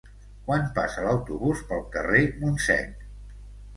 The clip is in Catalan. Quan passa l'autobús pel carrer Montsec?